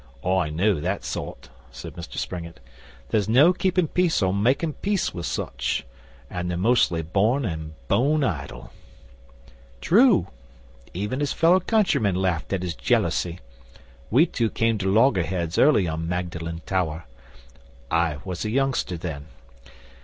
'I know that sort,' said Mr Springett. 'There's no keeping peace or making peace with such. An' they're mostly born an' bone idle.' 'True. Even his fellow countrymen laughed at his jealousy. We two came to loggerheads early on Magdalen Tower. I was a youngster then.